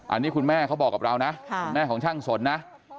อันนี้คุณแม่เขาบอกกับเรานะคุณแม่ของช่างสนนะ